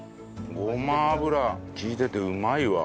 ごま油利いててうまいわ。